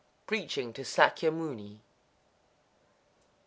_ Preaching to Sâkyamuni. 81.